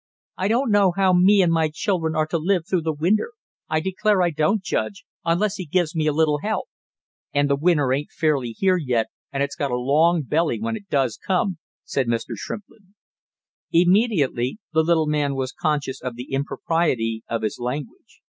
"I don't know how me and my children are to live through the winter, I declare I don't, Judge, unless he gives me a little help!" "And the winter ain't fairly here yet, and it's got a long belly when it does come!" said Mr. Shrimplin. Immediately the little man was conscious of the impropriety of his language.